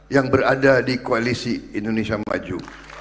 yang berada di koalisi indonesia maju